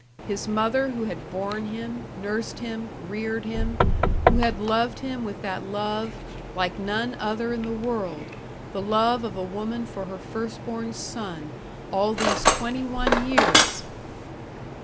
His mother, who had borne him, nursed him, reared him; who had loved him with that love like none other in the world the love of a woman for her firstborn son, all these twenty one years!